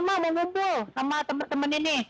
mama mau ngumpul sama teman teman ini